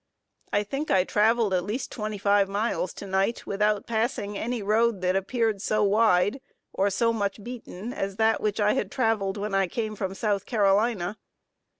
I think I traveled at least twenty five miles to night, without passing any road that appeared so wide, or so much beaten as that which I had traveled when I came from South Carolina.